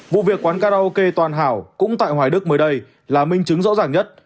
vụ việc quán karaoke toàn hảo cũng tại hoài đức mới đây là minh chứng rõ ràng nhất